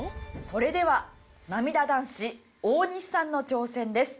それではなみだ男子大西さんの挑戦です。